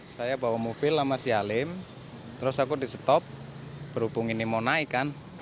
saya bawa mobil sama si halim terus aku di stop berhubung ini mau naik kan